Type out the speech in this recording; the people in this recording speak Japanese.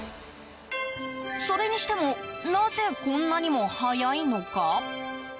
それにしてもなぜ、こんなに早いのか。